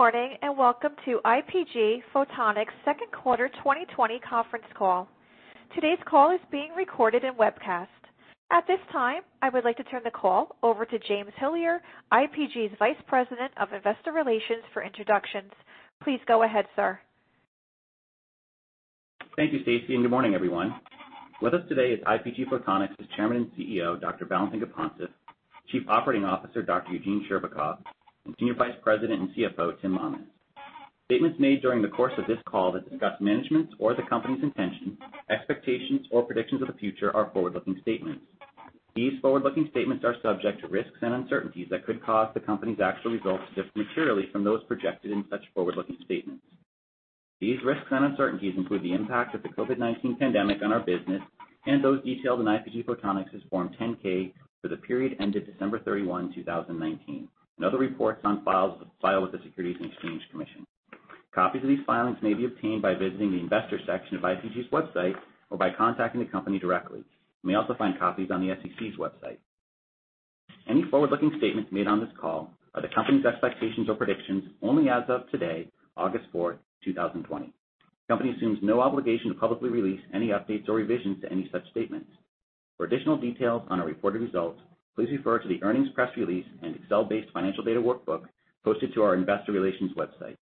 Good morning, and welcome to IPG Photonics' second quarter 2020 conference call. Today's call is being recorded and webcast. At this time, I would like to turn the call over to James Hillier, IPG's Vice President of Investor Relations for introductions. Please go ahead, sir. Thank you, Stacy, and good morning, everyone. With us today is IPG Photonics' Chairman and CEO, Dr. Valentin Gapontsev, Chief Operating Officer, Dr. Eugene Scherbakov, and Senior Vice President and CFO, Tim Mammen. Statements made during the course of this call that discuss management's or the company's intentions, expectations or predictions of the future are forward-looking statements. These forward-looking statements are subject to risks and uncertainties that could cause the company's actual results to differ materially from those projected in such forward-looking statements. These risks and uncertainties include the impact of the COVID-19 pandemic on our business and those detailed in IPG Photonics' Form 10-K for the period ended December 31, 2019, and other reports on file with the Securities and Exchange Commission. Copies of these filings may be obtained by visiting the investor section of IPG's website or by contacting the company directly. You may also find copies on the SEC's website. Any forward-looking statements made on this call are the company's expectations or predictions only as of today, August 4th, 2020. The company assumes no obligation to publicly release any updates or revisions to any such statements. For additional details on our reported results, please refer to the earnings press release and Excel-based financial data workbook posted to our investor relations website.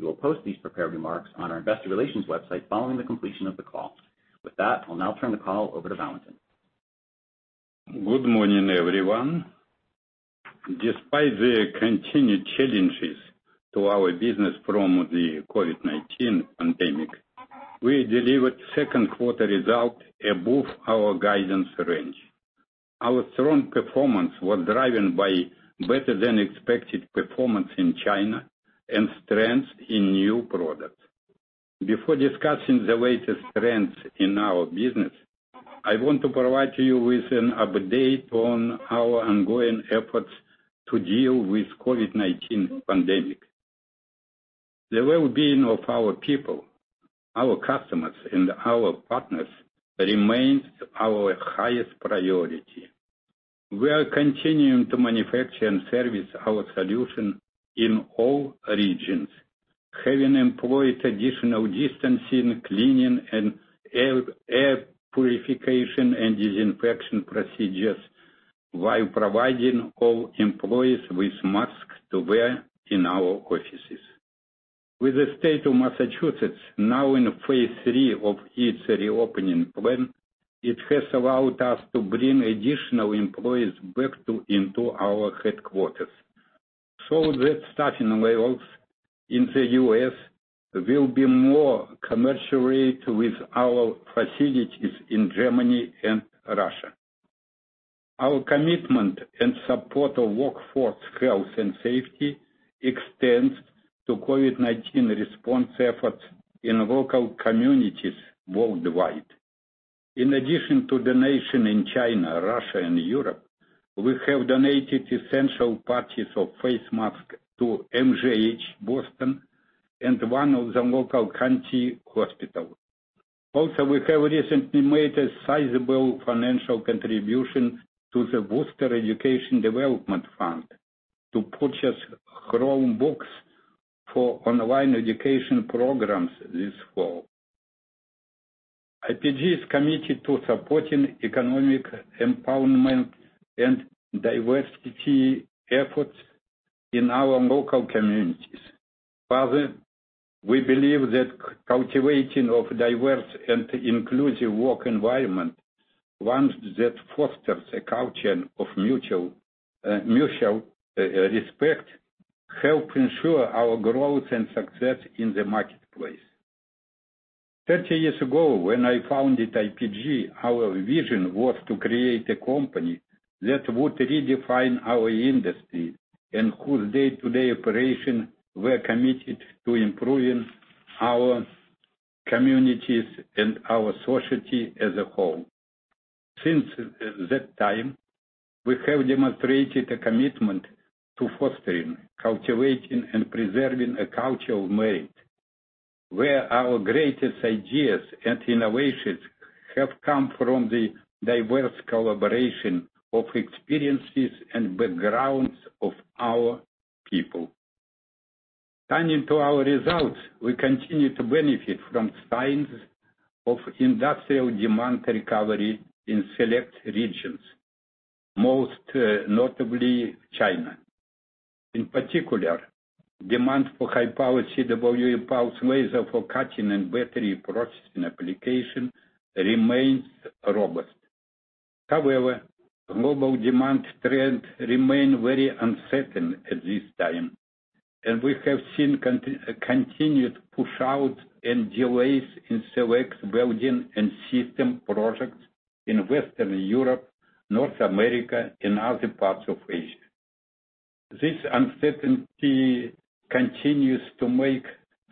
We will post these prepared remarks on our investor relations website following the completion of the call. With that, I'll now turn the call over to Valentin. Good morning, everyone. Despite the continued challenges to our business from the COVID-19 pandemic, we delivered second quarter results above our guidance range. Our strong performance was driven by better than expected performance in China and strength in new products. Before discussing the latest trends in our business, I want to provide you with an update on our ongoing efforts to deal with COVID-19 pandemic. The well-being of our people, our customers, and our partners remains our highest priority. We are continuing to manufacture and service our solution in all regions, having employed additional distancing, cleaning, and air purification and disinfection procedures while providing all employees with masks to wear in our offices. With the state of Massachusetts now in phase III of its reopening plan, it has allowed us to bring additional employees back into our headquarters, so that staffing levels in the U.S. will be more commensurate with our facilities in Germany and Russia. Our commitment and support of workforce health and safety extends to COVID-19 response efforts in local communities worldwide. In addition to donation in China, Russia and Europe, we have donated essential pallets of face masks to MGH Boston and one of the local county hospital. Also, we have recently made a sizable financial contribution to the Worcester Educational Development Foundation to purchase Chromebooks for online education programs this fall. IPG is committed to supporting economic empowerment and diversity efforts in our local communities. Further, we believe that cultivating of diverse and inclusive work environment, one that fosters a culture of mutual respect, help ensure our growth and success in the marketplace. 30 years ago, when I founded IPG, our vision was to create a company that would redefine our industry and whose day-to-day operation were committed to improving our communities and our society as a whole. Since that time, we have demonstrated a commitment to fostering, cultivating, and preserving a culture of merit, where our greatest ideas and innovations have come from the diverse collaboration of experiences and backgrounds of our people. Turning to our results, we continue to benefit from signs of industrial demand recovery in select regions, most notably China. In particular, demand for high-power CW pulse laser for cutting and battery processing application remains robust. Global demand trends remain very uncertain at this time, and we have seen continued push-out and delays in select welding and system projects in Western Europe, North America, and other parts of Asia. This uncertainty continues to make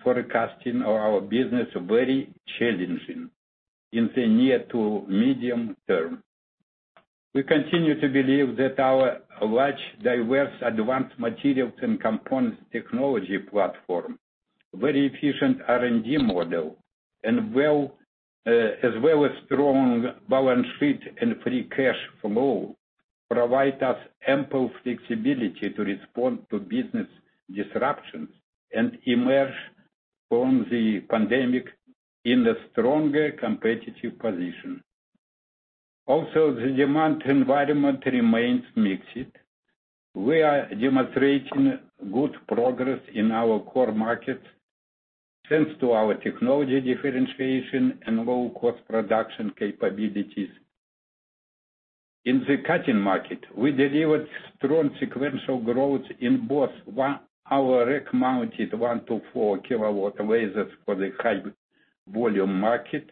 forecasting of our business very challenging in the near to medium term. We continue to believe that our large, diverse, advanced materials and components technology platform, very efficient R&D model, and as well as strong balance sheet and free cash flow, provide us ample flexibility to respond to business disruptions and emerge from the pandemic in a stronger competitive position. The demand environment remains mixed. We are demonstrating good progress in our core markets, thanks to our technology differentiation and low-cost production capabilities. In the cutting market, we delivered strong sequential growth in both our rack-mounted 1 to 4 kW lasers for the high volume market,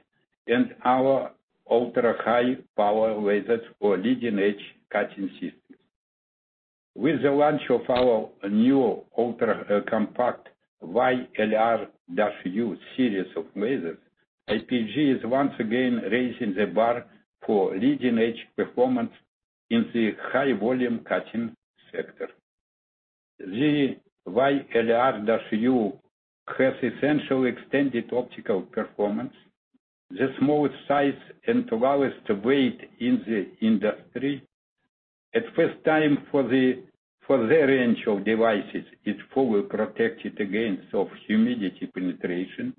and our ultra-high power lasers for leading-edge cutting systems. With the launch of our new ultra-compact YLR-U series of lasers, IPG is once again raising the bar for leading-edge performance in the high volume cutting sector. The YLR-U has essential extended optical performance, the smallest size, and lowest weight in the industry. At first time for their range of devices, it's fully protected against dust and humidity penetration,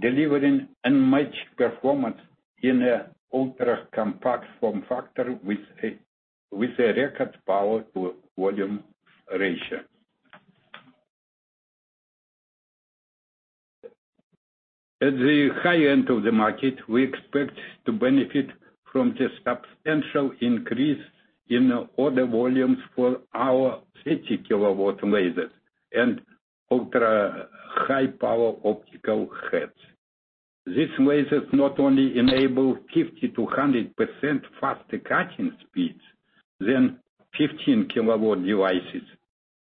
delivering unmatched performance in a ultra-compact form factor with a record power to volume ratio. At the high end of the market, we expect to benefit from the substantial increase in order volumes for our 30 kilowatt lasers and ultra-high power optical heads. These lasers not only enable 50%-100% faster cutting speeds than 15 kW devices,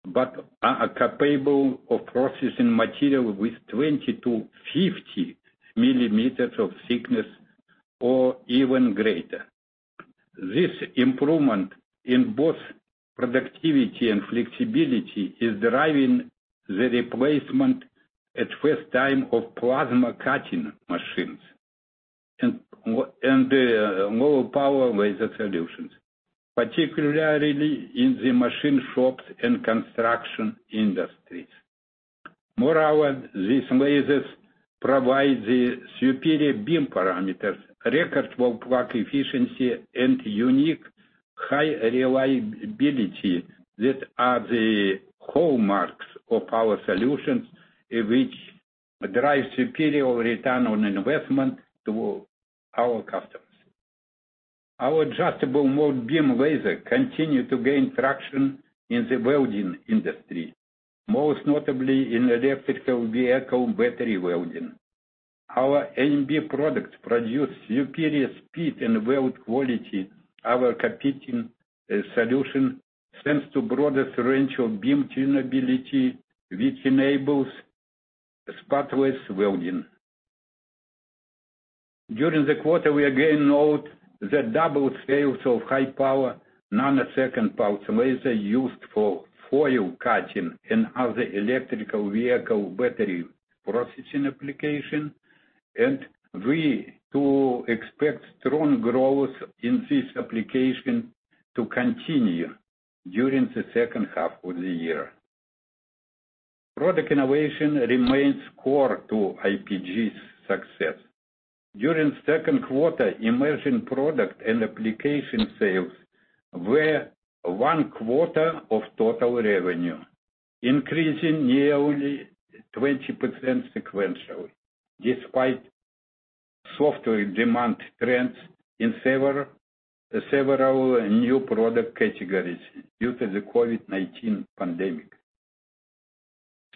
but are capable of processing material with 20-50 mm of thickness or even greater. This improvement in both productivity and flexibility is driving the replacement, at first time, of plasma cutting machines and the lower power laser solutions, particularly in the machine shops and construction industries. Moreover, these lasers provide the superior beam parameters, record wall-plug efficiency, and unique high reliability that are the hallmarks of our solutions, which drive superior return on investment to our customers. Our Adjustable Mode Beam laser continue to gain traction in the welding industry, most notably in electrical vehicle battery welding. Our AMB products produce superior speed and weld quality. Our competing solution tends to broadest range of beam tunability, which enables spatter-free welding. During the quarter, we again note the double sales of high power Nanosecond Pulse Laser used for foil cutting and other electrical vehicle battery processing application, and we expect strong growth in this application to continue during the second half of the year. Product innovation remains core to IPG's success. During second quarter, emerging product and application sales were one quarter of total revenue, increasing nearly 20% sequentially, despite softer demand trends in several new product categories due to the COVID-19 pandemic.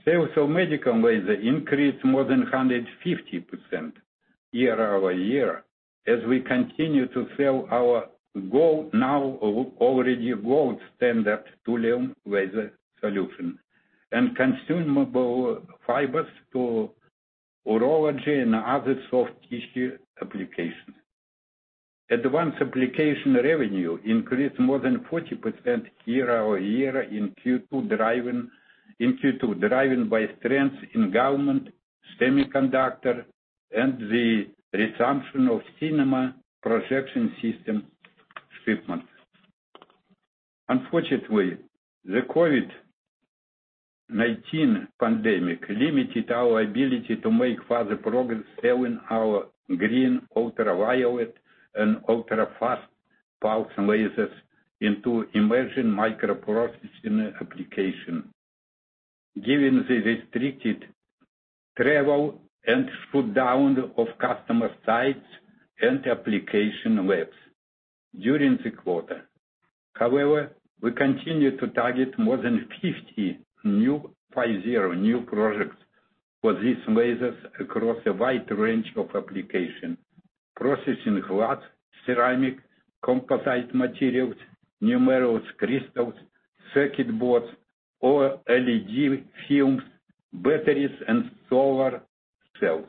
Sales of medical laser increased more than 150% year-over-year as we continue to sell our now already gold standard thulium laser solution and consumable fibers to urology and other soft tissue applications. Advanced application revenue increased more than 40% year-over-year in Q2, driven by strengths in government, semiconductor, and the resumption of cinema projection system shipments. Unfortunately, the COVID-19 pandemic limited our ability to make further progress selling our green, ultraviolet, and ultra-fast pulse lasers into emerging microprocessing applications, given the restricted travel and shutdown of customer sites and application labs during the quarter. We continue to target more than 50 new projects for these lasers across a wide range of applications. Processing glass, ceramic, composite materials, numerous crystals, circuit boards, OLED films, batteries, and solar cells.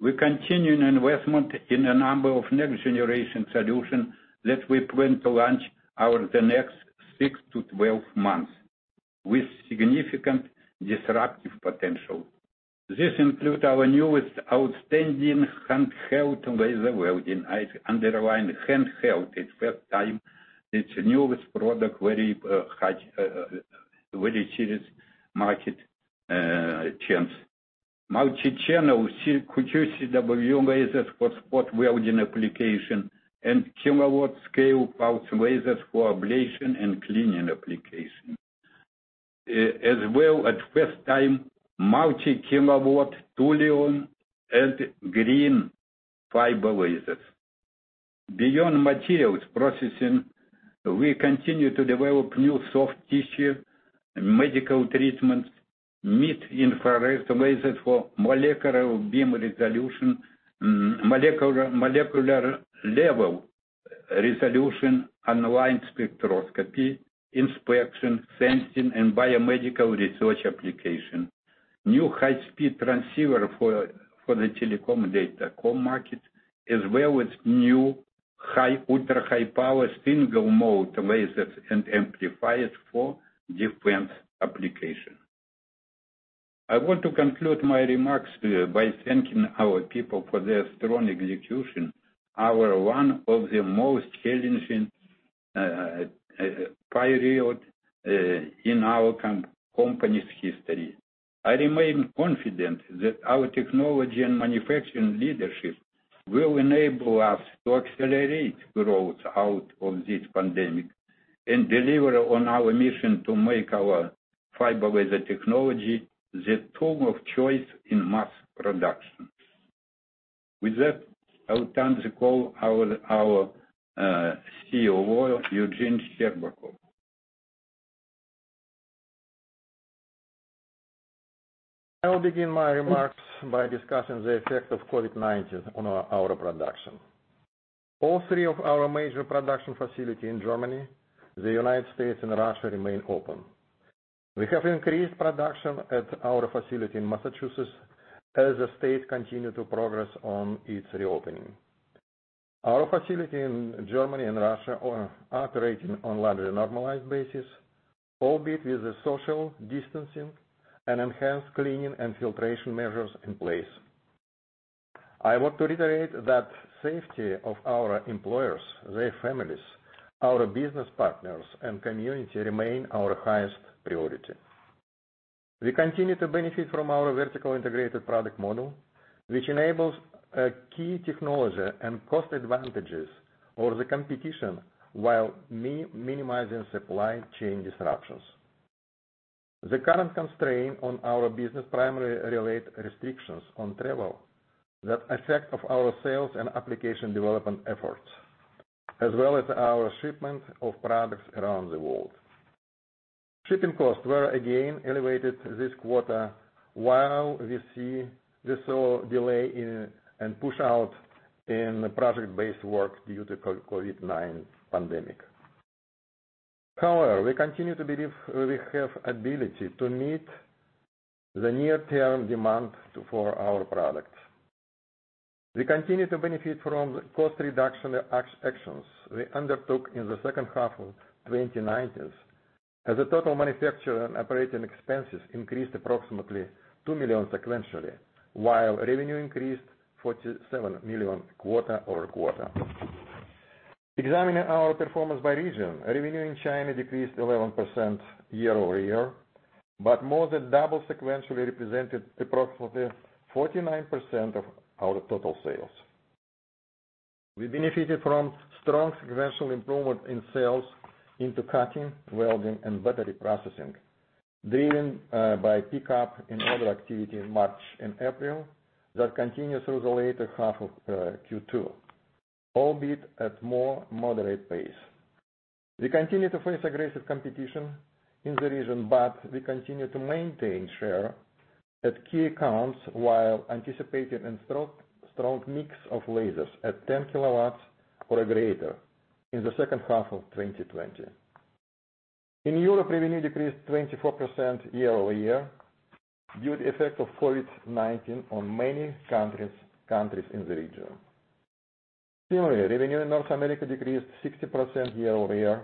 We're continuing investment in a number of next generation solutions that we plan to launch over the next 6 to 12 months with significant disruptive potential. This includes our newest outstanding Handheld Laser Welding. I underline handheld, it's first time. It's the newest product, very serious market chance. Multi-channel CO2 CW lasers for spot welding applications and kilowatt-scale pulse lasers for ablation and cleaning applications. At first time, multi-kilowatt thulium and Green Fiber Lasers. Beyond materials processing, we continue to develop new soft tissue medical treatments, Mid-Infrared Lasers for molecular beam resolution, molecular level resolution, online spectroscopy, inspection, sensing, and biomedical research application, new high-speed transceiver for the telecom and datacom market, as well as new ultra-high-power single-mode Lasers and amplifiers for different application. I want to conclude my remarks by thanking our people for their strong execution, our one of the most challenging period in our company's history. I remain confident that our technology and manufacturing leadership will enable us to accelerate growth out of this COVID-19 and deliver on our mission to make our Fiber Laser technology the tool of choice in mass production. With that, I'll turn the call over to our COO, Eugene Scherbakov. I will begin my remarks by discussing the effect of COVID-19 on our production. All three of our major production facility in Germany, the United States, and Russia remain open. We have increased production at our facility in Massachusetts as the state continue to progress on its reopening. Our facility in Germany and Russia are operating on largely normalized basis, albeit with the social distancing and enhanced cleaning and filtration measures in place. I want to reiterate that safety of our employees, their families, our business partners, and community remain our highest priority. We continue to benefit from our vertical integrated product model, which enables key technology and cost advantages over the competition while minimizing supply chain disruptions. The current constraint on our business primarily relate restrictions on travel that affect our sales and application development efforts, as well as our shipment of products around the world. Shipping costs were again elevated this quarter while we saw delay in and push out in project-based work due to COVID-19 pandemic. We continue to believe we have ability to meet the near-term demand for our products. We continue to benefit from cost reduction actions we undertook in the second half of 2019, as the total manufacturing operating expenses increased approximately $2 million sequentially, while revenue increased $47 million quarter-over-quarter. Examining our performance by region, revenue in China decreased 11% year-over-year, but more than double sequentially represented approximately 49% of our total sales. We benefited from strong sequential improvement in sales into cutting, welding, and battery processing, driven by a pickup in order activity in March and April that continued through the latter half of Q2, albeit at more moderate pace. We continue to face aggressive competition in the region, but we continue to maintain share at key accounts while anticipating a strong mix of lasers at 10 kW or greater in the second half of 2020. In Europe, revenue decreased 24% year-over-year due to effect of COVID-19 on many countries in the region. Similarly, revenue in North America decreased 60% year-over-year,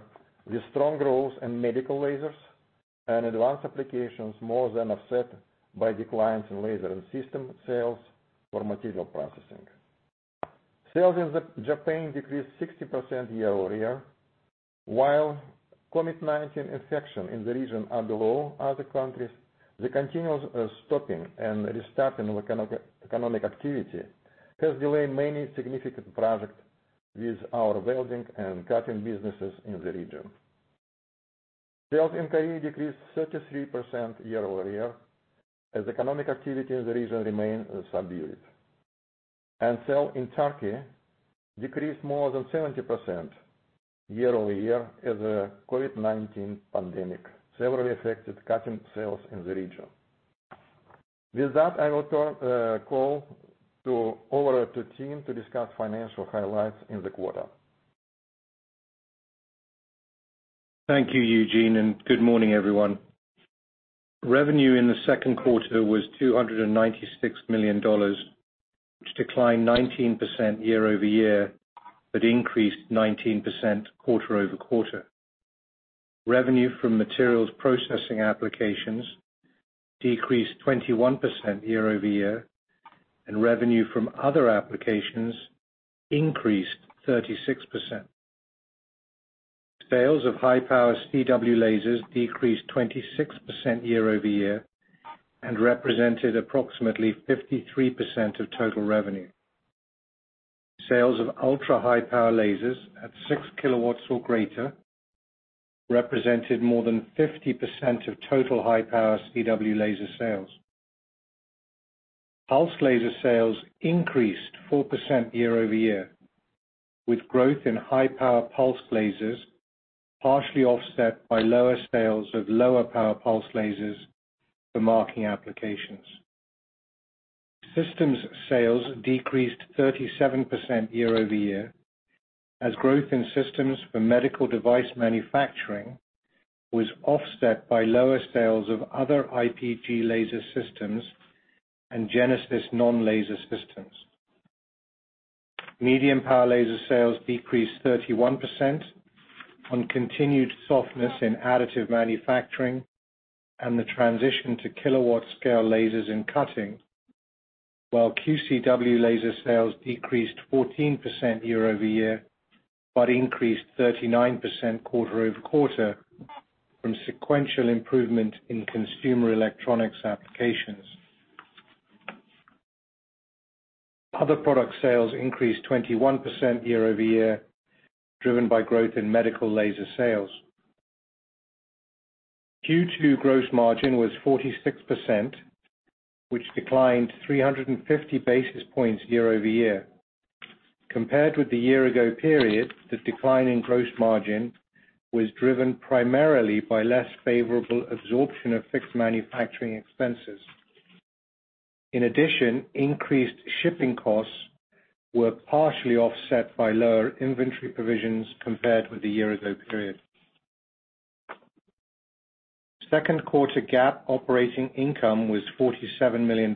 with strong growth in medical lasers and advanced applications more than offset by declines in laser and system sales for material processing. Sales in Japan decreased 60% year-over-year. While COVID-19 infection in the region are low, other countries, the continuous stopping and restarting of economic activity has delayed many significant projects with our welding and cutting businesses in the region. Sales in Korea decreased 33% year-over-year as economic activity in the region remain subdued. Sale in Turkey decreased more than 70% year-over-year as the COVID-19 pandemic severely affected cutting sales in the region. With that, I will turn the call over to Tim to discuss financial highlights in the quarter. Thank you, Eugene, and good morning, everyone. Revenue in the second quarter was $296 million, which declined 19% year-over-year, but increased 19% quarter-over-quarter. Revenue from materials processing applications decreased 21% year-over-year, and revenue from other applications increased 36%. Sales of high-power CW lasers decreased 26% year-over-year and represented approximately 53% of total revenue. Sales of ultra-high power lasers at 6 kW or greater represented more than 50% of total high-power CW laser sales. Pulse laser sales increased 4% year-over-year, with growth in high-power pulse lasers partially offset by lower sales of lower power pulse lasers for marking applications. Systems sales decreased 37% year-over-year as growth in systems for medical device manufacturing was offset by lower sales of other IPG laser systems and Genesis non-laser systems. Medium power laser sales decreased 31% on continued softness in additive manufacturing and the transition to kilowatt scale lasers and cutting, while QCW laser sales decreased 14% year-over-year, but increased 39% quarter-over-quarter from sequential improvement in consumer electronics applications. Other product sales increased 21% year-over-year, driven by growth in medical laser sales. Q2 gross margin was 46%, which declined 350 basis points year-over-year. Compared with the year-ago period, the decline in gross margin was driven primarily by less favorable absorption of fixed manufacturing expenses. In addition, increased shipping costs were partially offset by lower inventory provisions compared with the year-ago period. Second quarter GAAP operating income was $47 million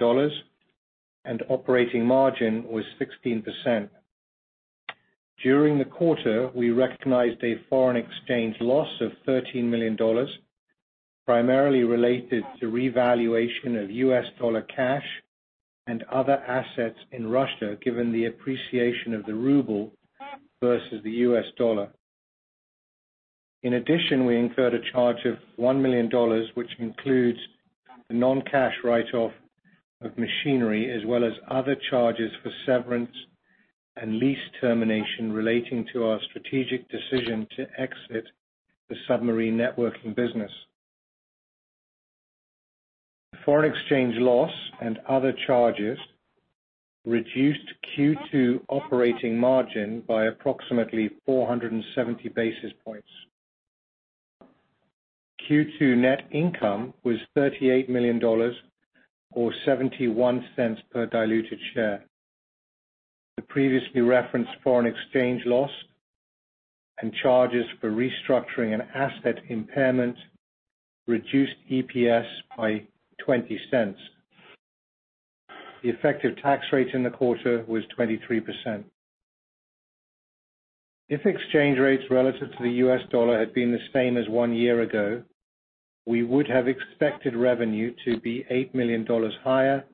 and operating margin was 16%. During the quarter, we recognized a foreign exchange loss of $13 million, primarily related to revaluation of US dollar cash and other assets in Russia, given the appreciation of the ruble versus the US dollar. In addition, we incurred a charge of $1 million, which includes the non-cash write-off of machinery as well as other charges for severance and lease termination relating to our strategic decision to exit the submarine networking business. Foreign exchange loss and other charges reduced Q2 operating margin by approximately 470 basis points. Q2 net income was $38 million, or $0.71 per diluted share. The previously referenced foreign exchange loss and charges for restructuring and asset impairment reduced EPS by $0.20. The effective tax rate in the quarter was 23%. If exchange rates relative to the U.S. dollar had been the same as one year ago, we would have expected revenue to be $8 million higher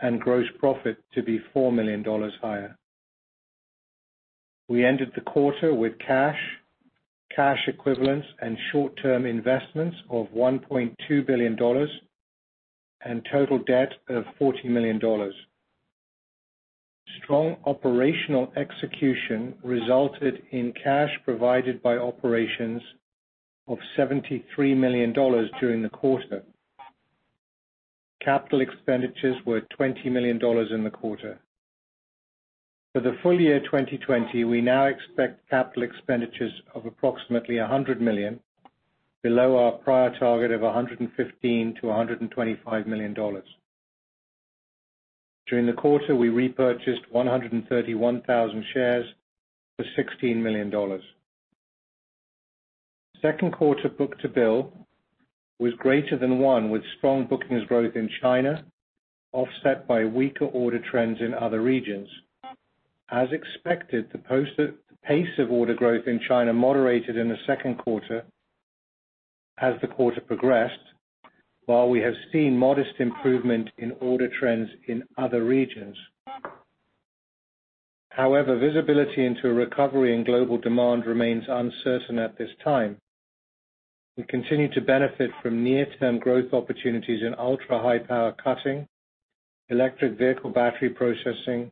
and gross profit to be $4 million higher. We ended the quarter with cash equivalents, and short-term investments of $1.2 billion and total debt of $40 million. Strong operational execution resulted in cash provided by operations of $73 million during the quarter. Capital expenditures were $20 million in the quarter. For the full year 2020, we now expect capital expenditures of approximately $100 million, below our prior target of $115 million-$125 million. During the quarter, we repurchased 131,000 shares for $16 million. Second quarter book-to-bill was greater than one, with strong bookings growth in China offset by weaker order trends in other regions. As expected, the pace of order growth in China moderated in the second quarter as the quarter progressed, while we have seen modest improvement in order trends in other regions. Visibility into a recovery in global demand remains uncertain at this time. We continue to benefit from near-term growth opportunities in ultra-high power cutting, electric vehicle battery processing,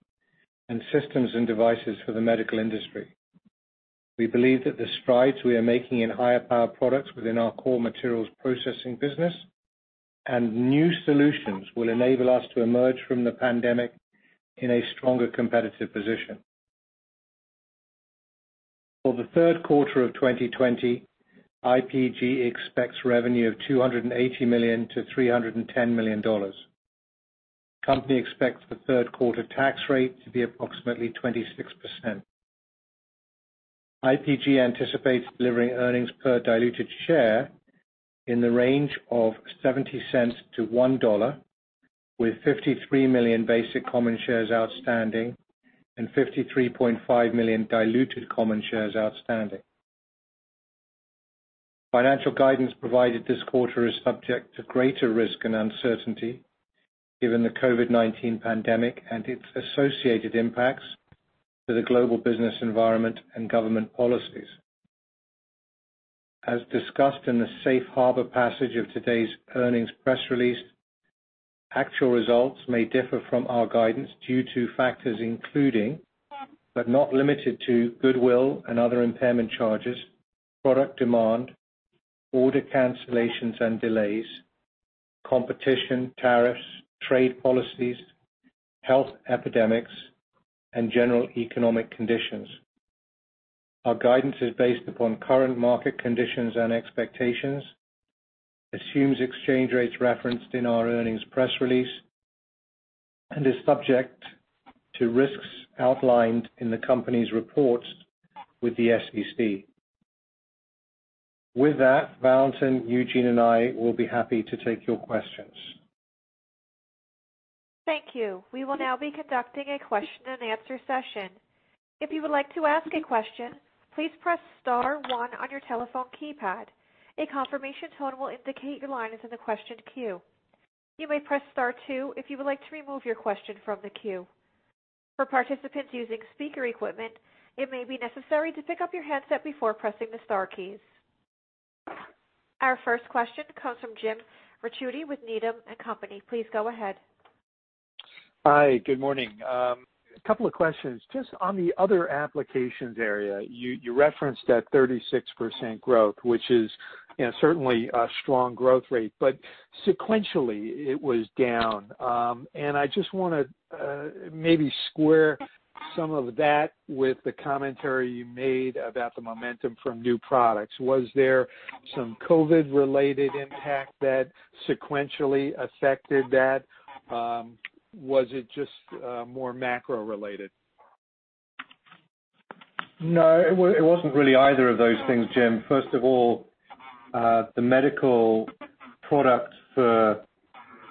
and systems and devices for the medical industry. We believe that the strides we are making in higher power products within our core materials processing business and new solutions will enable us to emerge from the pandemic in a stronger competitive position. For the third quarter of 2020, IPG expects revenue of $280 million-$310 million. Company expects the third quarter tax rate to be approximately 26%. IPG anticipates delivering earnings per diluted share in the range of $0.70 to $1.00, with 53 million basic common shares outstanding and 53.5 million diluted common shares outstanding. Financial guidance provided this quarter is subject to greater risk and uncertainty given the COVID-19 pandemic and its associated impacts to the global business environment and government policies. As discussed in the Safe Harbor passage of today's earnings press release, actual results may differ from our guidance due to factors including, but not limited to, goodwill and other impairment charges, product demand, order cancellations and delays, competition, tariffs, trade policies, health epidemics, and general economic conditions. Our guidance is based upon current market conditions and expectations, assumes exchange rates referenced in our earnings press release, and is subject to risks outlined in the company's reports with the SEC. With that, Valentin, Eugene, and I will be happy to take your questions. Thank you. We will now be conducting a question-and-answer session. If you would like to ask a question, please press star one on your telephone keypad. A confirmation tone will indicate your line is in the question queue. You may press star two if you would like to remove your question from the queue. For participants using speaker equipment, it may be necessary to pick up your handset before pressing the star keys. Our first question comes from James Ricchiuti with Needham & Company. Please go ahead. Hi. Good morning. A couple of questions. Just on the other applications area, you referenced that 36% growth, which is certainly a strong growth rate, but sequentially it was down. I just want to maybe square some of that with the commentary you made about the momentum from new products. Was there some COVID related impact that sequentially affected that? Was it just more macro related? No, it wasn't really either of those things, Jim. First of all, the medical product for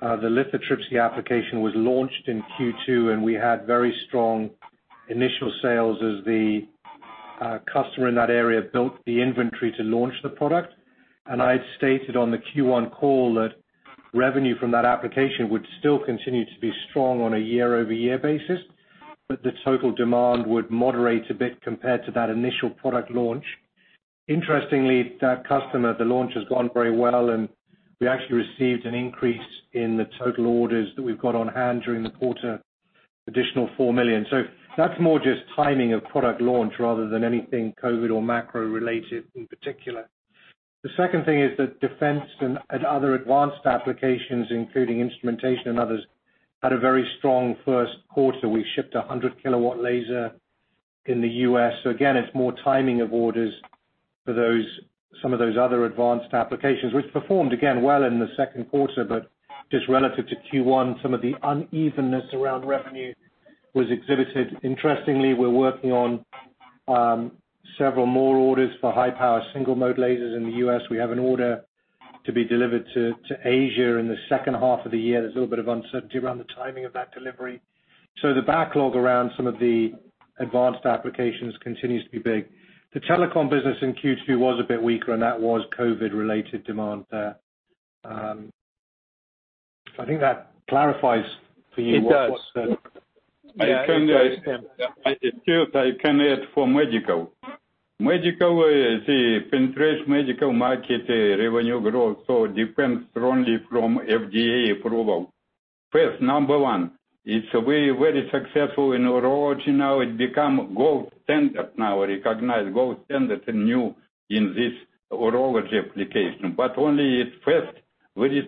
the lithotripsy application was launched in Q2, and we had very strong initial sales as the customer in that area built the inventory to launch the product. I had stated on the Q1 call that revenue from that application would still continue to be strong on a year-over-year basis, but the total demand would moderate a bit compared to that initial product launch. Interestingly, that customer, the launch has gone very well, and we actually received an increase in the total orders that we've got on hand during the quarter, additional $4 million. That's more just timing of product launch rather than anything COVID or macro related in particular. The second thing is that defense and other advanced applications, including instrumentation and others, had a very strong first quarter. We shipped 100 kW laser in the U.S. Again, it's more timing of orders for some of those other advanced applications, which performed, again, well in the second quarter, but just relative to Q1, some of the unevenness around revenue was exhibited. Interestingly, we're working on several more orders for high power Single-Mode Lasers in the U.S. We have an order to be delivered to Asia in the second half of the year. There's a little bit of uncertainty around the timing of that delivery. The backlog around some of the advanced applications continues to be big. The telecom business in Q2 was a bit weaker, and that was COVID-19 related demand there. I think that clarifies for you. It does. I can add for medical. Penetrate medical market revenue growth, depends strongly from FDA approval. First, number one, it's very successful in urology now. It become gold standard now, recognized gold standard, new in this urology application. Only at first. Please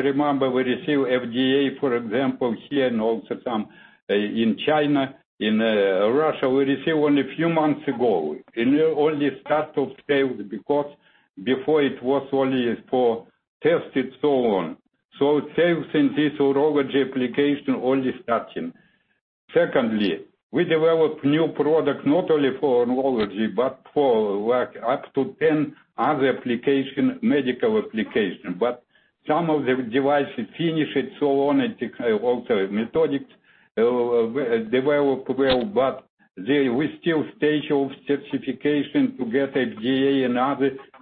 remember, we receive FDA, for example, here and also some in China. In Russia, we receive only a few months ago in only start of sales because before it was only for tested, so on. Sales in this urology application only starting. Secondly, we developed new product not only for urology but for up to 10 other application, medical application. Some of the devices finish it, so on, also methodic develop well. We still stage of certification to get FDA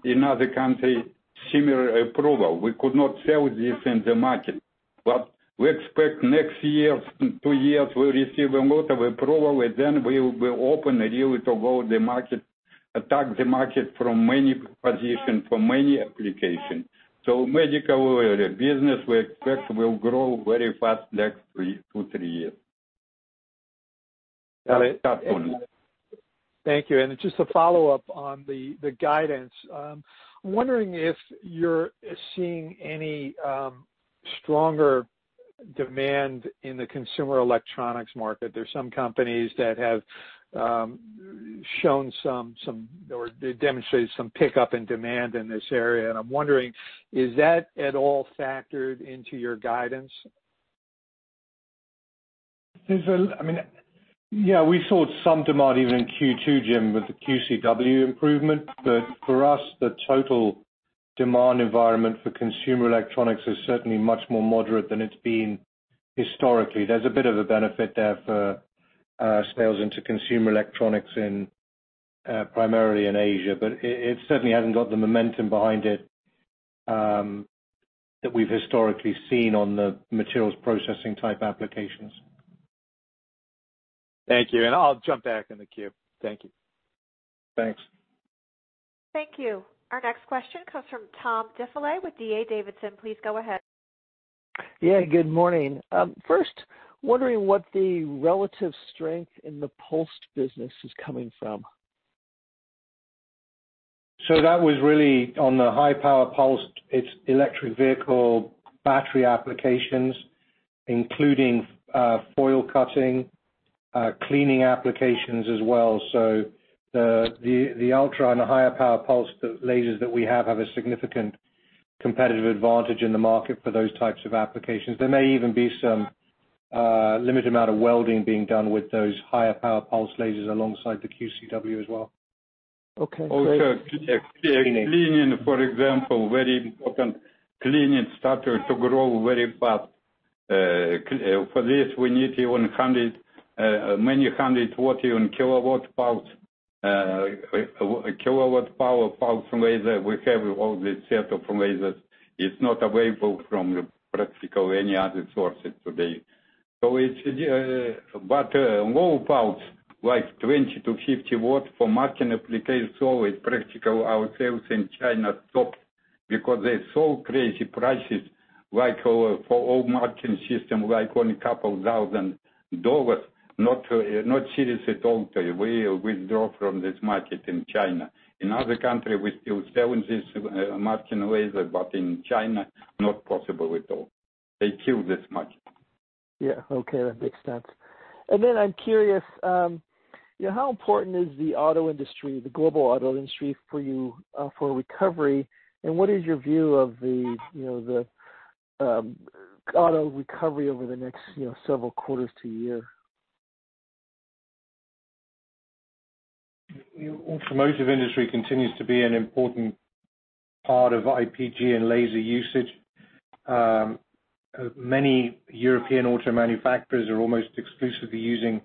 in other country, similar approval. We could not sell this in the market. We expect next year, two years, we receive a lot of approval, and then we will open really to grow the market, attack the market from many position, from many application. Medical business, we expect will grow very fast next two, three years. Thank you. Just a follow-up on the guidance. I'm wondering if you're seeing any stronger demand in the consumer electronics market. There's some companies that have demonstrated some pickup in demand in this area, and I'm wondering, is that at all factored into your guidance? Yeah, we saw some demand even in Q2, Jim, with the QCW improvement. For us, the total demand environment for consumer electronics is certainly much more moderate than it's been historically. There's a bit of a benefit there for sales into consumer electronics primarily in Asia. It certainly hasn't got the momentum behind it that we've historically seen on the materials processing type applications. Thank you. I'll jump back in the queue. Thank you. Thanks. Thank you. Our next question comes from Tom Diffely with D.A. Davidson. Please go ahead. Yeah, good morning. First, wondering what the relative strength in the pulsed business is coming from? That was really on the high power pulse. It's electric vehicle battery applications, including foil cutting, cleaning applications as well. The ultra and the higher power pulse lasers that we have have a significant competitive advantage in the market for those types of applications. There may even be some limited amount of welding being done with those higher power pulse lasers alongside the QCW as well. Okay. Cleaning, for example, very important. Cleaning started to grow very fast. For this, we need many hundred-watt, even kilowatt power pulse from laser. We have all this set of lasers. It's not available from practically any other sources today. low power, like 20 to 50 W for marking applications, always practical. Our sales in China stopped because they sold crazy prices, like for old marking system, like only a couple thousand dollars. Not serious at all. We withdraw from this market in China. In other country, we still selling this marking laser, but in China, not possible at all. They kill this market. Yeah. Okay, that makes sense. I'm curious, how important is the auto industry, the global auto industry for you for recovery, and what is your view of the auto recovery over the next several quarters to a year? Automotive industry continues to be an important part of IPG and laser usage. Many European auto manufacturers are almost exclusively using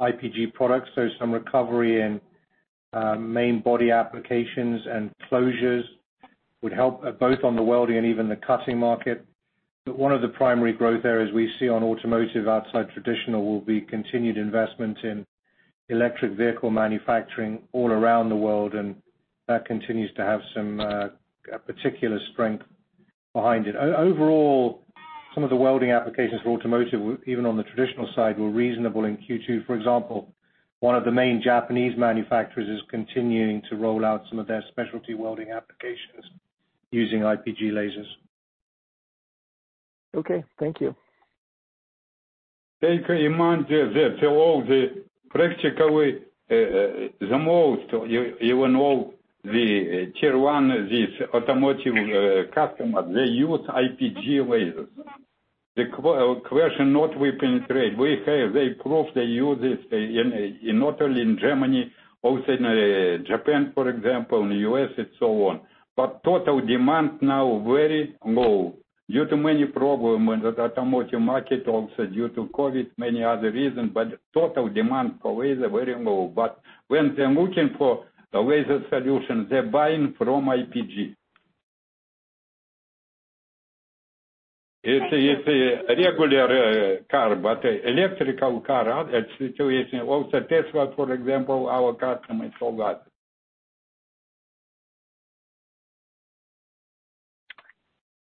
IPG products, so some recovery in main body applications and closures would help both on the welding and even the cutting market. One of the primary growth areas we see on automotive outside traditional will be continued investment in electric vehicle manufacturing all around the world, and that continues to have some particular strength behind it. Overall, some of the welding applications for automotive, even on the traditional side, were reasonable in Q2. For example, one of the main Japanese manufacturers is continuing to roll out some of their specialty welding applications using IPG lasers. Okay. Thank you. Take amount, all the practical way, the most, even all the Tier 1, these automotive customers, they use IPG lasers. The question, not we penetrate. We have the proof they use this not only in Germany, also in Japan, for example, in the U.S. and so on. Total demand now very low due to many problem with the automotive market, also due to COVID, many other reasons, but total demand for laser very low. When they're looking for a laser solution, they're buying from IPG. It's a regular car, but electrical car, that situation. Tesla, for example, our customer sold that.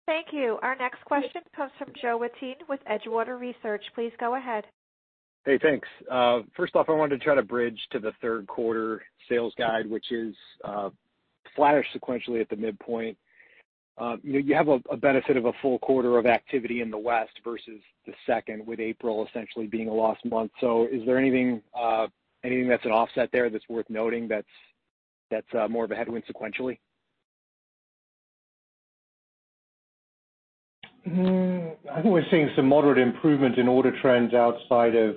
Thank you. Our next question comes from Joe Wittine with Edgewater Research. Please go ahead. Hey, thanks. First off, I wanted to try to bridge to the third quarter sales guide, which is flatter sequentially at the midpoint. You have a benefit of a full quarter of activity in the West versus the second, with April essentially being a lost month. Is there anything that's an offset there that's worth noting that's more of a headwind sequentially? I think we're seeing some moderate improvement in order trends outside of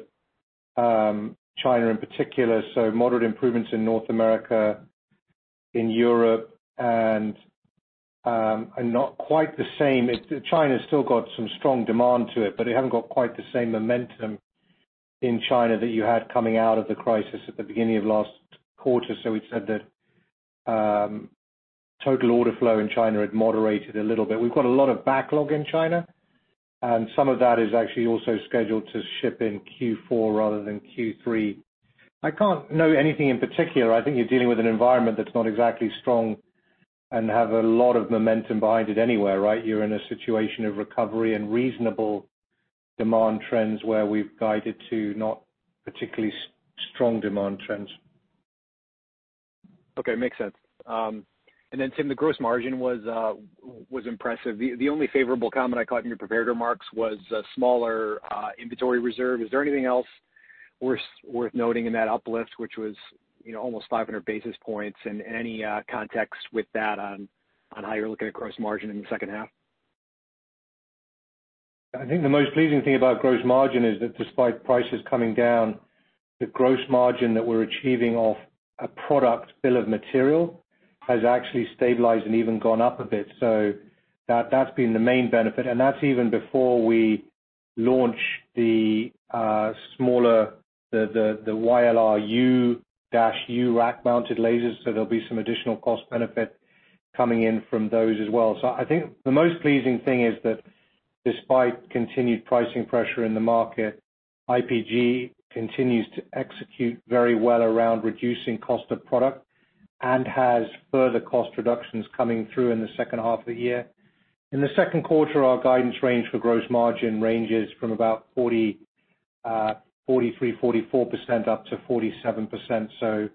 China in particular. Moderate improvements in North America, in Europe, and not quite the same. China's still got some strong demand to it, but it hasn't got quite the same momentum in China that you had coming out of the crisis at the beginning of last quarter. We've said that total order flow in China had moderated a little bit. We've got a lot of backlog in China, and some of that is actually also scheduled to ship in Q4 rather than Q3. I can't know anything in particular. I think you're dealing with an environment that's not exactly strong and have a lot of momentum behind it anywhere, right? You're in a situation of recovery and reasonable demand trends where we've guided to not particularly strong demand trends. Okay. Makes sense. Tim, the gross margin was impressive. The only favorable comment I caught in your prepared remarks was smaller inventory reserve. Is there anything else worth noting in that uplift, which was almost 500 basis points, and any context with that on how you're looking at gross margin in the second half? I think the most pleasing thing about gross margin is that despite prices coming down, the gross margin that we're achieving off a product bill of material has actually stabilized and even gone up a bit. That's been the main benefit. That's even before we launch the smaller, the YLR-U rack-mounted lasers. There'll be some additional cost benefit coming in from those as well. I think the most pleasing thing is that despite continued pricing pressure in the market, IPG continues to execute very well around reducing cost of product and has further cost reductions coming through in the second half of the year. In the second quarter, our guidance range for gross margin ranges from about 43%, 44% up to 47%.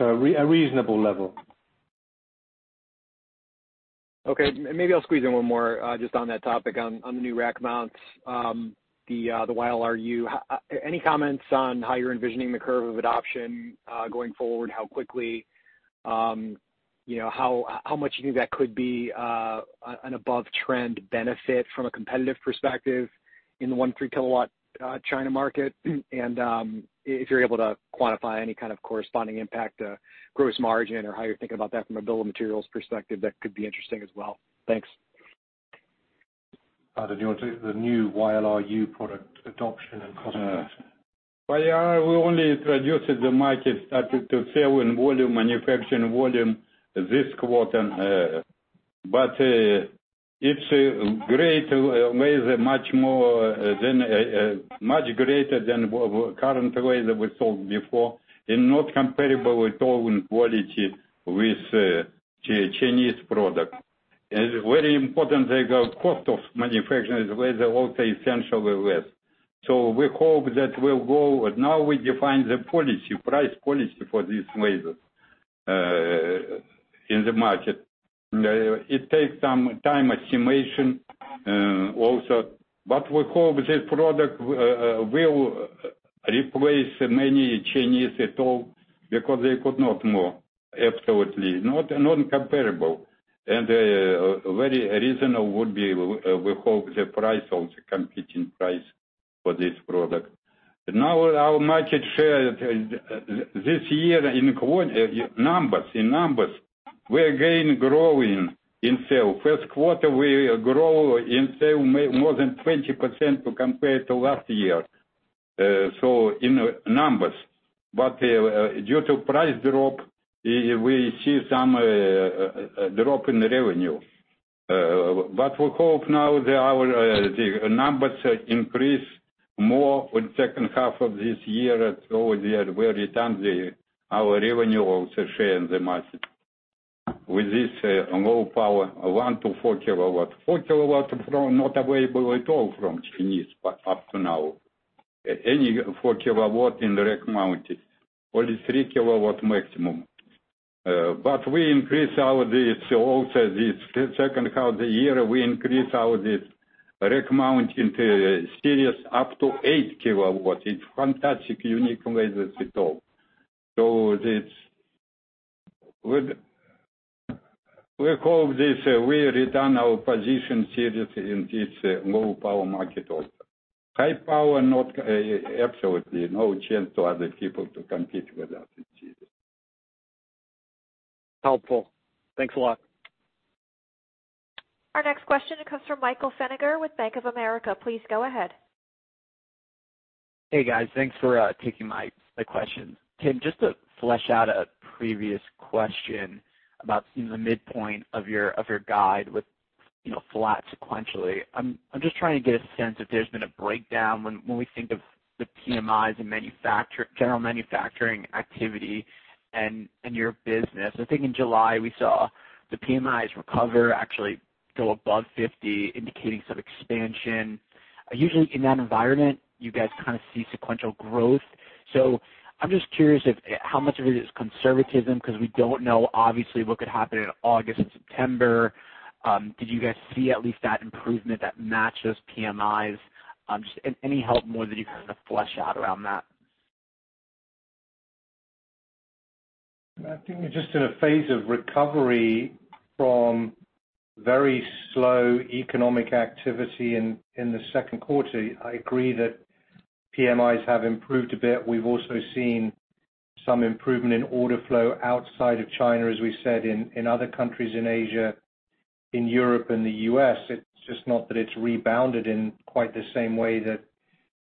A reasonable level. Okay. Maybe I'll squeeze in one more just on that topic, on the new rack mounts, the YLR-U. Any comments on how you're envisioning the curve of adoption going forward? How quickly, how much you think that could be an above-trend benefit from a competitive perspective in the 1-3 kW China market? If you're able to quantify any kind of corresponding impact to gross margin or how you're thinking about that from a bill of materials perspective, that could be interesting as well. Thanks. Valentin, do you want to take the new YLR-U product adoption and cost? We only introduced the market starting to sell in volume, manufacturing volume this quarter, but it's a great laser, much greater than current laser we sold before, and not comparable at all in quality with Chinese product. Very important, the cost of manufacturing the laser also essentially less. We hope that will go. Now we define the policy, price policy for this laser in the market. It takes some time estimation also, but we hope this product will replace many Chinese at all, because they could not more absolutely, not comparable. Very reasonable would be, we hope the price also competing price for this product. Now our market share this year in numbers, we're again growing in sale. First quarter, we grow in sale more than 20% to compare to last year, so in numbers. Due to price drop, we see some drop in revenue. We hope now the numbers increase more on second half of this year, we return our revenue also share in the market with this low power 1 kW - 4 kW. 4 kW not available at all from Chinese up to now. Any 4 kW in rack mounted, only 3 kW maximum. We increase our this also this second half of the year, we increase our this rack mount into series up to 8 kW. It's fantastic, unique laser at all. We hope this, we return our position seriously in this low power market also. High power, absolutely no chance to other people to compete with us in this. Helpful. Thanks a lot. Our next question comes from Michael Feniger with Bank of America. Please go ahead. Hey, guys. Thanks for taking my questions. Tim, just to flesh out a previous question about seeing the midpoint of your guide with flat sequentially. I'm just trying to get a sense if there's been a breakdown when we think of the PMIs and general manufacturing activity and your business. I think in July, we saw the PMIs recover, actually go above 50, indicating some expansion. Usually in that environment, you guys kind of see sequential growth. I'm just curious how much of it is conservatism because we don't know, obviously, what could happen in August and September. Did you guys see at least that improvement that matched those PMIs? Just any help more that you can kind of flesh out around that? I think we're just in a phase of recovery from very slow economic activity in the second quarter. I agree that PMIs have improved a bit. We've also seen some improvement in order flow outside of China, as we said, in other countries in Asia, in Europe and the U.S. It's just not that it's rebounded in quite the same way that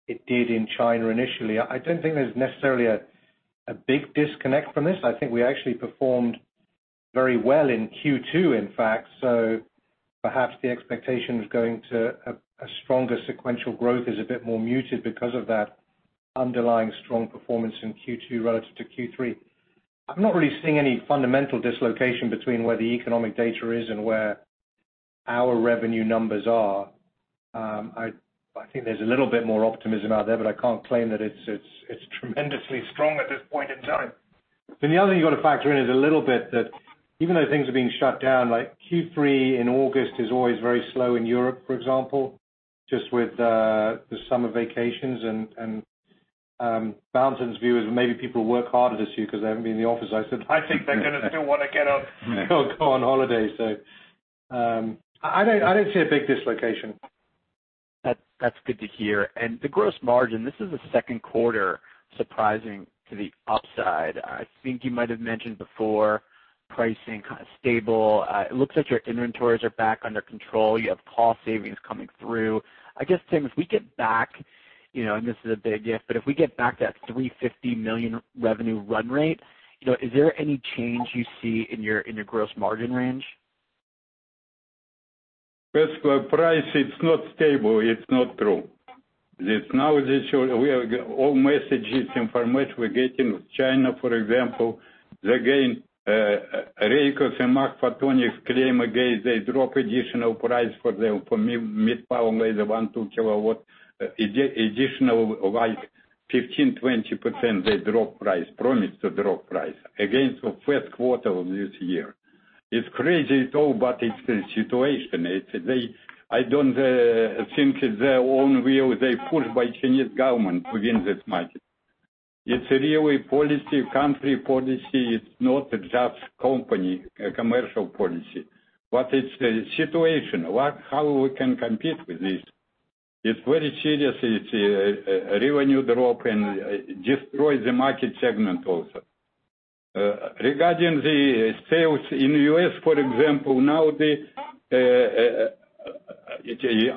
it did in China initially. I don't think there's necessarily a big disconnect from this. I think we actually performed very well in Q2, in fact. Perhaps the expectation of going to a stronger sequential growth is a bit more muted because of that underlying strong performance in Q2 relative to Q3. I'm not really seeing any fundamental dislocation between where the economic data is and where our revenue numbers are. I think there's a little bit more optimism out there, but I can't claim that it's tremendously strong at this point in time. The other thing you've got to factor in is a little bit that even though things are being shut down, Q3 in August is always very slow in Europe, for example, just with the summer vacations and mountains views, and maybe people work harder this year because they haven't been in the office. I said, "I think they're going to still want to get up and go on holiday." I don't see a big dislocation. That's good to hear. The gross margin, this is the second quarter surprising to the upside. I think you might have mentioned before pricing stable. It looks like your inventories are back under control. You have cost savings coming through. I guess, Tim, if we get back, and this is a big if, but if we get back that $350 million revenue run rate, is there any change you see in your gross margin range? First, price, it's not stable. It's not true. Now we have all messages, information we get in China, for example, again, Raycus and Maxphotonics claim again they drop additional price for their mid-power laser one, two kilowatt, additional like 15%, 20%, they drop price, promise to drop price against the first quarter of this year. It's crazy talk, but it's the situation. I don't think it's their own will. They're pushed by Chinese government within this market. It's really policy, country policy. It's not just company commercial policy, but it's the situation. How we can compete with this? It's very serious. It's a revenue drop and destroys the market segment also. Regarding the sales in U.S., for example, now the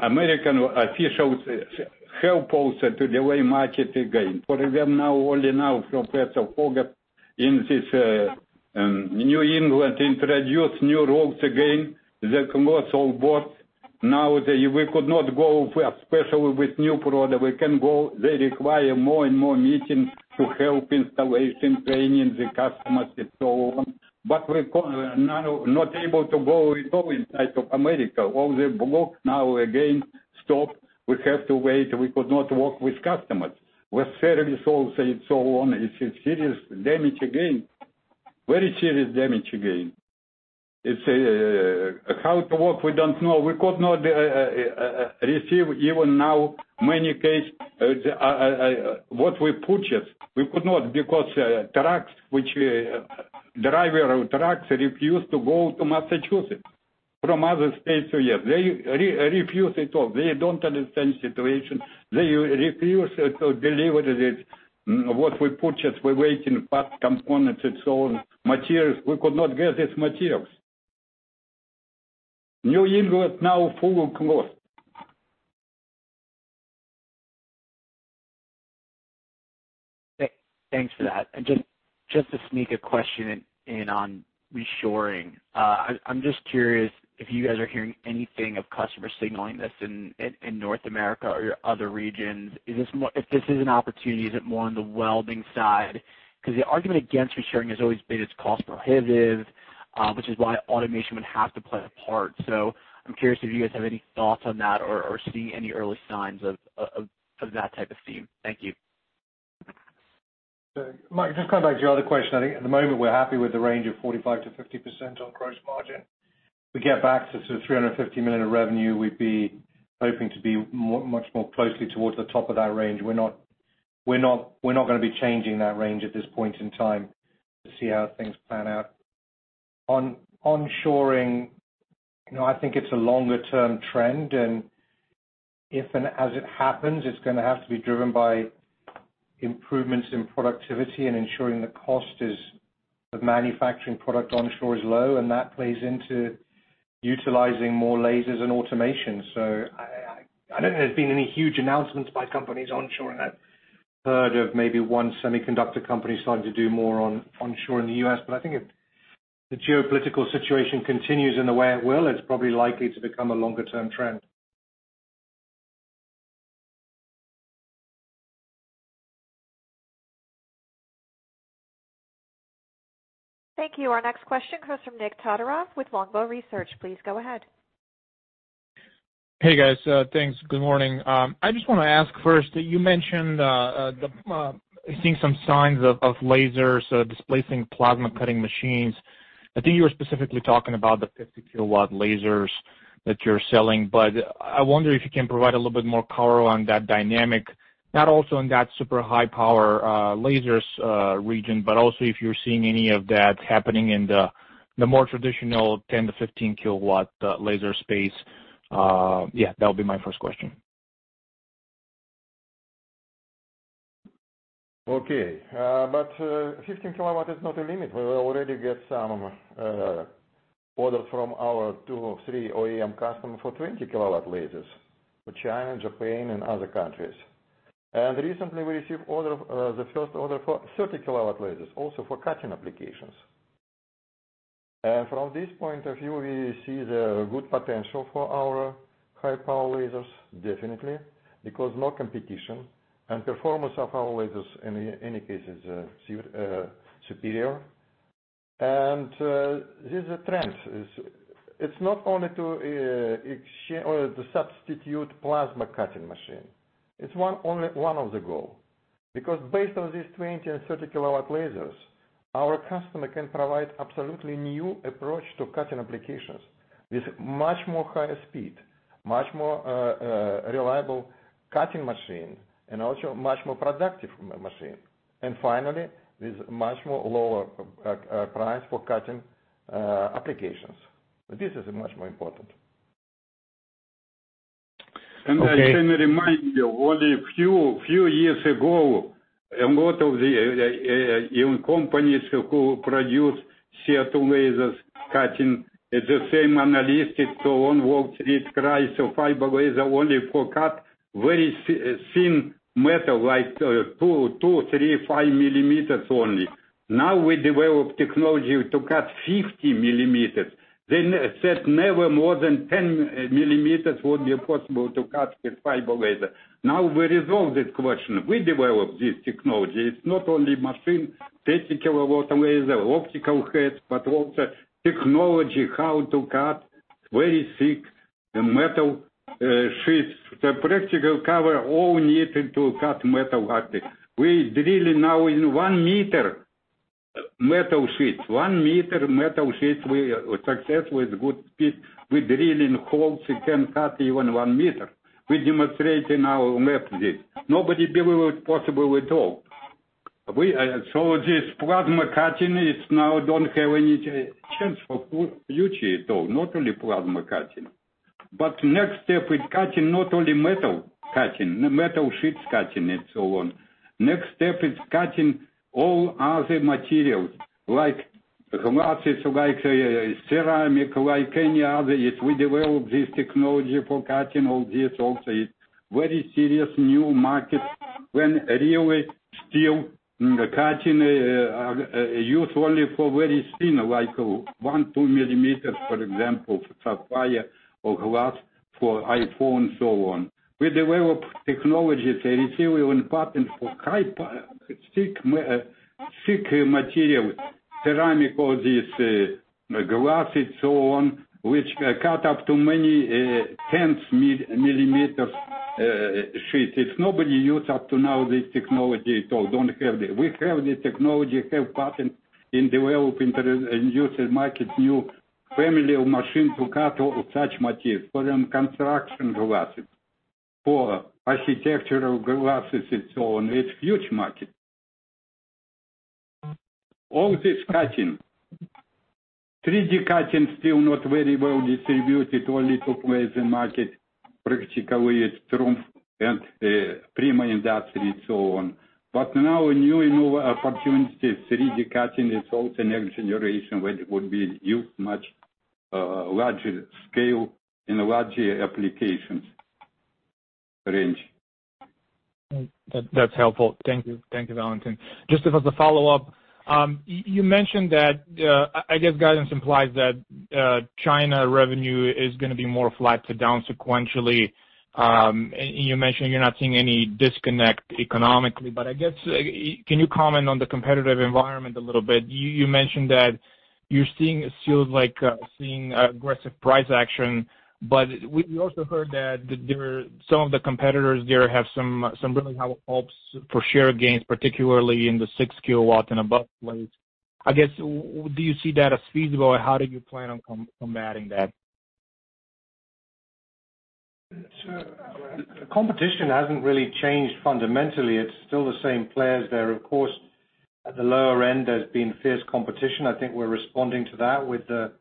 American officials help also in way to market again. For example, now, only now, Professor Fogarty in this New England introduced new rules again, the commercial bot. We could not go, especially with new product. We can go, they require more and more meetings to help installation, training the customers, and so on. We're not able to go at all inside of the U.S. All the block now again stop. We have to wait. We could not work with customers. With service also, it's so on. It's a serious damage again. Very serious damage again. It's how to work, we don't know. We could not receive even now many case, what we purchased. We could not because trucks, driver of trucks refuse to go to Massachusetts from other states. Yeah, they refuse it all. They don't understand situation. They refuse to deliver what we purchased. We're waiting for parts, components, and so on, materials. We could not get these materials. New England now full closed. Thanks for that. Just to sneak a question in on reshoring. I'm just curious if you guys are hearing anything of customer signaling this in North America or your other regions. If this is an opportunity, is it more on the welding side? The argument against reshoring has always been it's cost prohibitive, which is why automation would have to play a part. I'm curious if you guys have any thoughts on that or see any early signs of that type of theme. Thank you. Mike, just coming back to your other question. I think at the moment, we're happy with the range of 45%-50% on gross margin. We get back to sort of $350 million of revenue, we'd be hoping to be much more closely towards the top of that range. We're not going to be changing that range at this point in time to see how things plan out. On shoring, I think it's a longer-term trend, and if and as it happens, it's going to have to be driven by improvements in productivity and ensuring the cost of manufacturing product onshore is low, and that plays into utilizing more lasers and automation. I don't think there's been any huge announcements by companies onshoring. I've heard of maybe one semiconductor company starting to do more onshore in the U.S., I think if the geopolitical situation continues in the way it will, it's probably likely to become a longer-term trend. Thank you. Our next question comes from Nikolay Todorov with Longbow Research. Please go ahead. Hey, guys. Thanks. Good morning. I just want to ask first, you mentioned seeing some signs of lasers displacing plasma cutting machines. I think you were specifically talking about the 50 kW lasers that you're selling, I wonder if you can provide a little bit more color on that dynamic, not also in that super high power lasers region, but also if you're seeing any of that happening in the more traditional 10-15 kW laser space. Yeah, that would be my first question. Okay. 15 kW is not a limit. We already get some orders from our two or three OEM customers for 20 kW lasers for China, Japan, and other countries. Recently we received the first order for 30 kW lasers, also for cutting applications. From this point of view, we see the good potential for our high-power lasers, definitely, because no competition and performance of our lasers in any case is superior. This is a trend. It's not only to substitute plasma cutting machine. It's one of the goals. Because based on these 20 and 30 kW lasers, our customer can provide absolutely new approach to cutting applications with much more higher speed, much more reliable cutting machine, and also much more productive machine. Finally, with much more lower price for cutting applications. This is much more important. Okay. I can remind you, only a few years ago, a lot of the even companies who produce CO2 lasers cutting, the same analytic, so on, walked with price of fiber laser only for cut very thin metal, like two, three, five millimeters only. We develop technology to cut 50 mm. They said never more than 10 mm would be possible to cut with fiber laser. We resolve this question. We develop this technology. It's not only machine, 30 kW laser, optical heads, but also technology how to cut very thick metal sheets. The practical cover all needed to cut metal. We drilling now in one meter metal sheets. One meter metal sheets we success with good speed. We drilling holes. We can cut even one meter. We demonstrate in our methods. Nobody believe it possible at all. This plasma cutting is now don't have any chance for future at all, not only plasma cutting. Next step is cutting not only metal cutting, metal sheets cutting, and so on. Next step is cutting all other materials, like glasses, like ceramic, like any other. If we develop this technology for cutting all this also, it's very serious new market. When real steel cutting are used only for very thin, like one, two millimeters, for example, for sapphire or glass for iPhone, so on. We develop technologies and receive even patent for thick material, ceramic, all this, glass, and so on, which cut up to many tens millimeters sheets. If nobody use up to now this technology at all, don't have that. We have the technology, have patent in developing and use market new family of machines to cut all such materials, for construction glasses, for architectural glasses, and so on. It's huge market. All this cutting, 3D cutting still not very well distributed, only two players in market. Practically, it's TRUMPF and Prima Industrie and so on. Now a new innovative opportunity, 3D cutting is also next generation, where it would be used much larger scale and larger applications range. That's helpful. Thank you. Thank you, Valentin. Just as a follow-up, you mentioned that, I guess guidance implies that China revenue is going to be more flat to down sequentially. You mentioned you're not seeing any disconnect economically. I guess, can you comment on the competitive environment a little bit? You mentioned that you're seeing fields like seeing aggressive price action. We also heard that some of the competitors there have some really high hopes for share gains, particularly in the 6 kW and above lasers. I guess, do you see that as feasible? How do you plan on combating that? The competition hasn't really changed fundamentally. It's still the same players there. Of course, at the lower end, there's been fierce competition. I think we're responding to that with the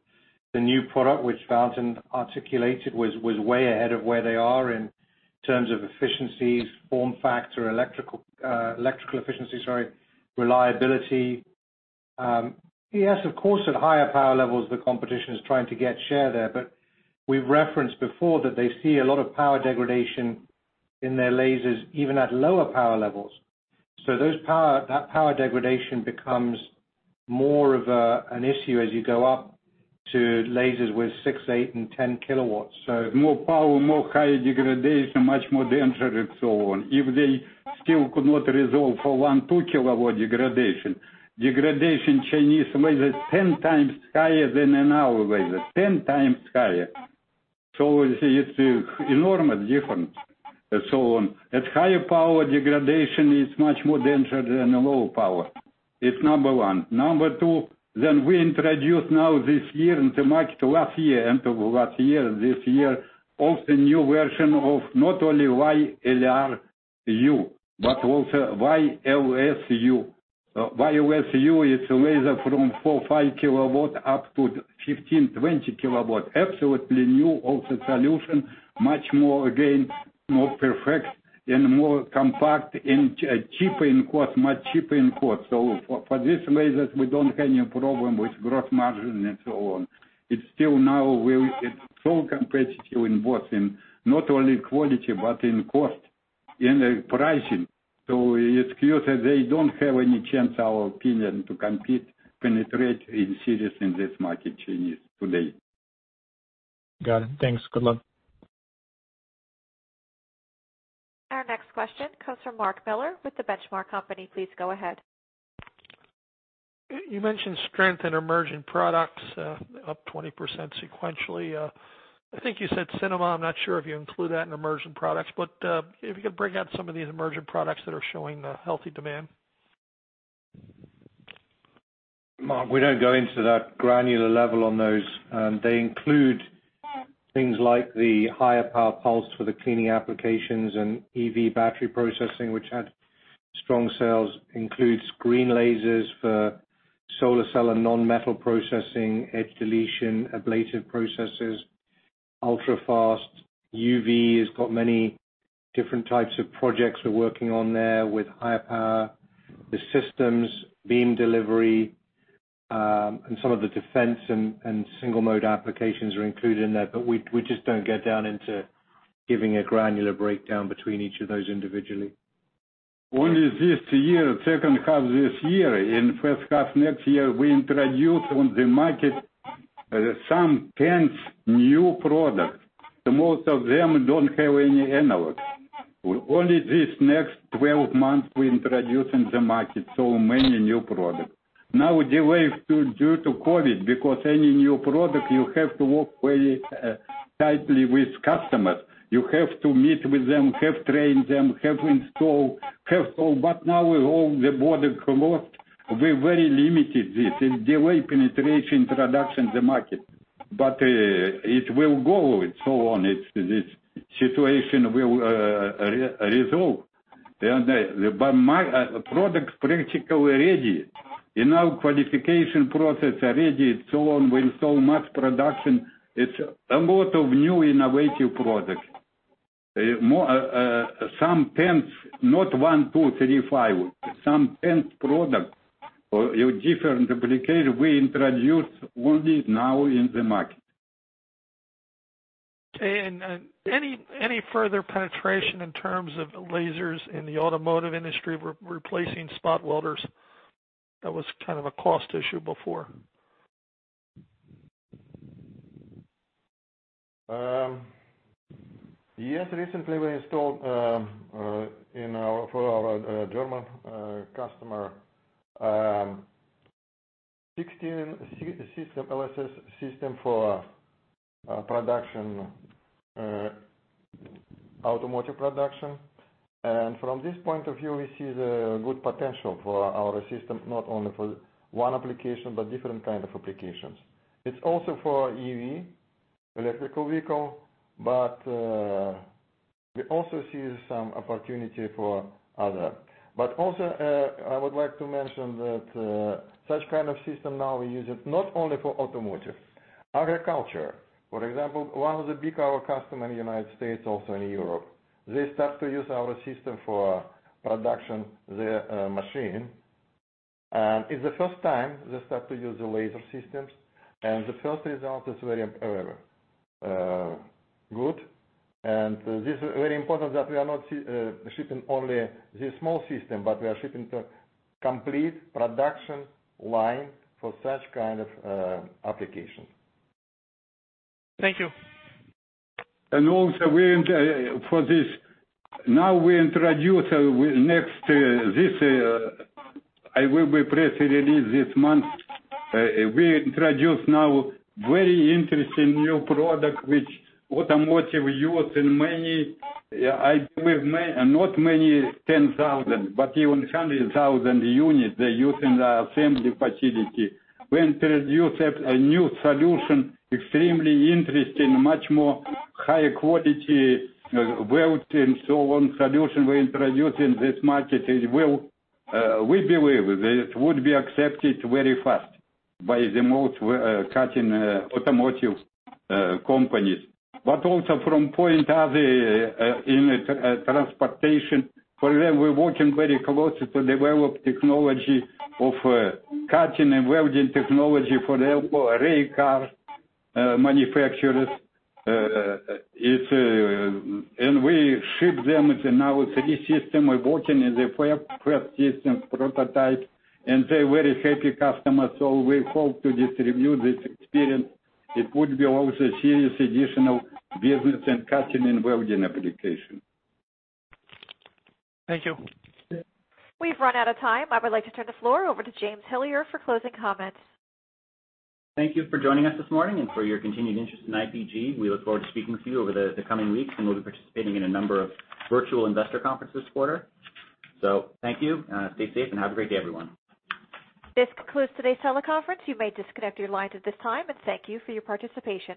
new product, which Valentin articulated was way ahead of where they are in terms of efficiencies, form factor, electrical efficiency, sorry, reliability. Yes, of course, at higher power levels, the competition is trying to get share there. We've referenced before that they see a lot of power degradation in their lasers, even at lower power levels. That power degradation becomes more of an issue as you go up to lasers with six, eight and 10 kW. More power, more high degradation, much more danger, and so on. If they still could not resolve for one, two kilowatt degradation. Degradation Chinese laser 10x higher than our laser, 10x higher. It's enormous difference, and so on. At higher power, degradation is much more danger than a lower power. It's number one. Number two, we introduce now this year into market, last year, end of last year, this year, of the new version of not only YLR-U, but also YLS-U. YLS-U is a laser from four, 5 kW up to 15, 20 kW. Absolutely new of the solution, much more again, more perfect and more compact and cheaper in cost, much cheaper in cost. For this lasers, we don't have any problem with gross margin and so on. It's so competitive in both in not only quality but in cost, in the pricing. It's clear they don't have any chance, our opinion, to compete, penetrate in serious in this market Chinese today. Got it. Thanks. Good luck. Our next question comes from Mark Miller with The Benchmark Company. Please go ahead. You mentioned strength in emerging products, up 20% sequentially. I think you said cinema, I'm not sure if you include that in emerging products, but if you could break out some of these emerging products that are showing healthy demand. Mark, we don't go into that granular level on those. They include things like the higher power pulse for the cleaning applications and EV battery processing, which had strong sales. Includes green lasers for solar cell and non-metal processing, edge deletion, ablative processes, ultra-fast. UV has got many different types of projects we're working on there with higher power. The systems, beam delivery, and some of the defense and Single-Mode applications are included in that. We just don't get down into giving a granular breakdown between each of those individually. Only this year, second half this year. In first half next year, we introduce on the market some 10 new products. Most of them don't have any analogs. Only this next 12 months we introduce in the market so many new products. Now, delayed due to COVID, because any new product, you have to work very tightly with customers. You have to meet with them, have trained them, have install. Now with all the border closed, we're very limited this, in delay penetration introduction the market. It will go and so on. This situation will resolve. My product practically ready. In our qualification process, ready, so on, with so much production. It's a lot of new innovative products. Some 10, not one, two, three, five, some 10 products or different application we introduce only now in the market. Okay, any further penetration in terms of lasers in the automotive industry replacing spot welders? That was kind of a cost issue before. Yes. Recently we installed for our German customer, 16 LSS system for automotive production. From this point of view, we see the good potential for our system, not only for one application, but different kind of applications. It's also for EV, electrical vehicle, but we also see some opportunity for other. Also, I would like to mention that such kind of system now we use it not only for automotive. Agriculture, for example, one of the big our customer in the United States, also in Europe, they start to use our system for production their machine. It's the first time they start to use the laser systems, and the first result is very good. This very important that we are not shipping only this small system, but we are shipping the complete production line for such kind of application. Thank you. Also, now we introduce next this, I will be press release this month. We introduce now very interesting new product which automotive use in many, not many 10,000, but even 100,000 unit they use in the assembly facility. We introduce a new solution, extremely interesting, much more higher quality weld and so on solution we introduce in this market. We believe that it would be accepted very fast by the most cutting automotive companies. Also from point other, in transportation, for them, we're working very closely to develop technology of cutting and welding technology for rail car manufacturers. We ship them in our three system. We're working in the fourth system prototype, and they're very happy customers, so we hope to distribute this experience. It would be also serious additional business in cutting and welding application. Thank you. We've run out of time. I would like to turn the floor over to James Hillier for closing comments. Thank you for joining us this morning and for your continued interest in IPG. We look forward to speaking with you over the coming weeks, and we'll be participating in a number of virtual investor conferences this quarter. Thank you, stay safe, and have a great day, everyone. This concludes today's teleconference. You may disconnect your lines at this time, and thank you for your participation.